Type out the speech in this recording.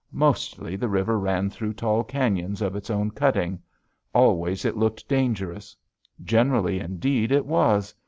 Mostly the river ran through tall canyons of its own cutting; always it looked dangerous. Generally, indeed, it was!